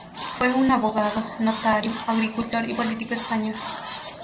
Fue un abogado, notario, agricultor y político español.